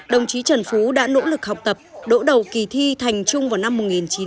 đồng chí trần phú đã nỗ lực học tập đỗ đầu kỳ thi thành trung vào năm một nghìn chín trăm hai mươi hai